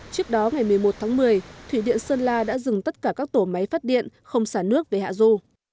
trước đó ngày một mươi một tháng một mươi thủy điện sơn la đã dừng tất cả các tổ máy phát điện không xả nước về hạ du